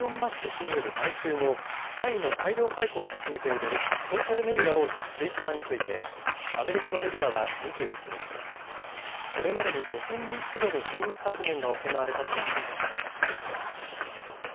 氏による買収後、社員の大量解雇を進めているソーシャルメディア大手、ツイッターについてアメリカのメディアは２１日、これまでに５０００人規模の人員削減が行われたと報じました。